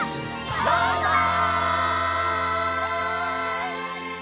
バイバイ！